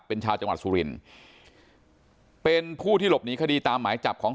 เป็นชาวจังหวัดสุรินทร์เป็นผู้ที่หลบหนีคดีตามหมายจับของ